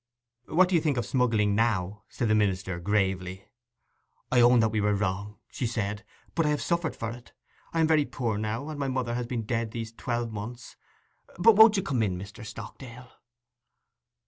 'What do you think of smuggling now?' said the minister gravely. 'I own that we were wrong,' said she. 'But I have suffered for it. I am very poor now, and my mother has been dead these twelve months ... But won't you come in, Mr. Stockdale?